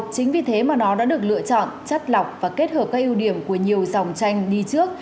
chính vì thế mà nó đã được lựa chọn chất lọc và kết hợp các ưu điểm của nhiều dòng tranh đi trước